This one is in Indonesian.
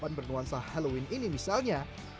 yang bernuansa halloween ini misalnya